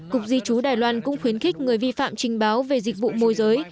cục di trú đài loan cũng khuyến khích người vi phạm trình báo về dịch vụ môi giới